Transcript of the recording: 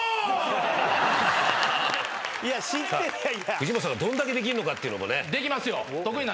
藤本さんがどんだけできるのかっていうのもね。